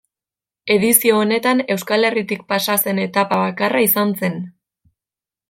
Edizio honetan Euskal Herritik pasa zen etapa bakarra izan zen.